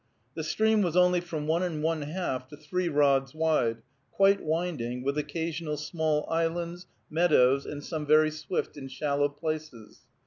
The stream was only from one and one half to three rods wide, quite winding, with occasional small islands, meadows, and some very swift and shallow places.